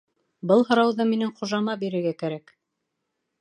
— Был һорауҙы минең хужама бирергә кәрәк!